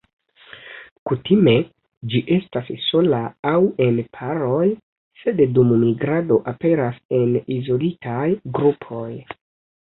Kutime ĝi estas sola aŭ en paroj, sed dum migrado aperas en izolitaj grupoj.